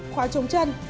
khóa trống chân